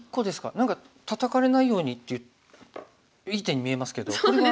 何かタタかれないようにいい手に見えますけどこれは。